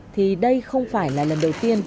thì đây không phải là lần đầu tiên